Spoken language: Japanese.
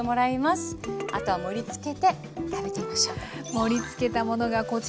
盛りつけたものがこちらです。